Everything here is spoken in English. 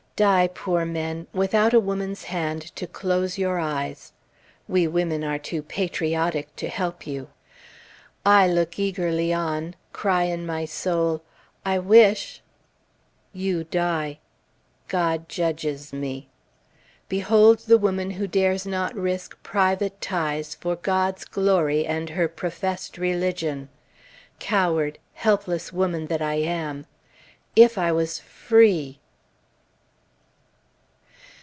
Die, poor men, without a woman's hand to close your eyes! We women are too patriotic to help you! I look eagerly on, cry in my soul, "I wish "; you die; God judges me. Behold the woman who dares not risk private ties for God's glory and her professed religion! Coward, helpless woman that I am! If I was free